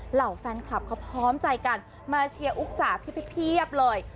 เหล่าแฟนคลับเขาพร้อมใจกันมาเชียร์อุ๊กจ่าเพียบเลย